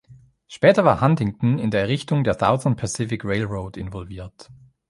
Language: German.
Später war Huntington in der Errichtung der Southern Pacific Railroad involviert.